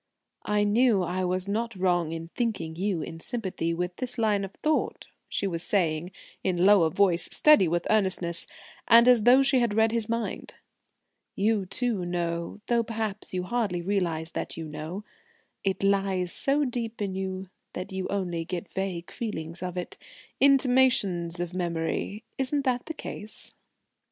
"I knew I was not wrong in thinking you in sympathy with this line of thought," she was saying in lower voice, steady with earnestness, and as though she had read his mind. "You, too, know, though perhaps you hardly realise that you know. It lies so deep in you that you only get vague feelings of it intimations of memory. Isn't that the case?"